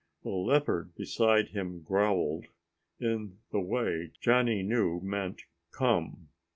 The leopard beside him growled, in the way Johnny knew meant "come."